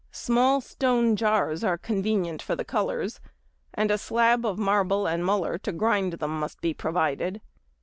Small stone jars are convenient for the colours, and a slab of marble and muller to grind them must be provided.